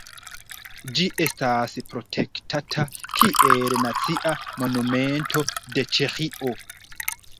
Ĝi estas protektata kiel Nacia Monumento de Ĉeĥio.